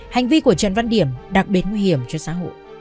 hành vi của trần văn điểm đặc biệt nguy hiểm cho xã hội